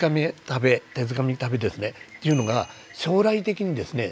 食べですねっていうのが将来的にですね